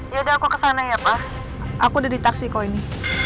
ya udah aku kesana ya pak aku udah di taksi kok ini